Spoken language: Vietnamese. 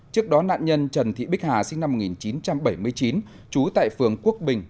trước đó nạn nhân trần thị bích hà sinh năm một nghìn chín trăm bảy mươi chín trú tại phường quốc bình